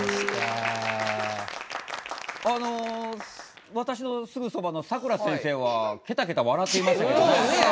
あの私のすぐそばのさくら先生はケタケタ笑っていましたけどね。